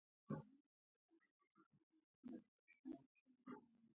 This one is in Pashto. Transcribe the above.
مستې د بدن لپاره ګټورې او خوندورې خواړه دي.